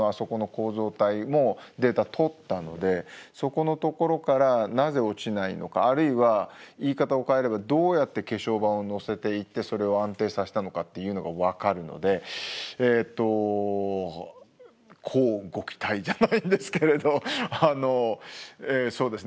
もうデータとったのでそこのところからなぜ落ちないのかあるいは言い方を変えればどうやって化粧板をのせていってそれを安定させたのかっていうのが分かるのでえっと乞うご期待じゃないんですけれどあのそうですね